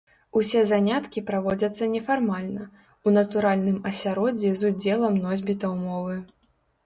Усе заняткі праводзяцца нефармальна, у натуральным асяроддзі з удзелам носьбітаў мовы.